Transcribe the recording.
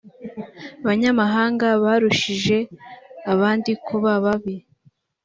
banyamahanga barushije abandi kuba babi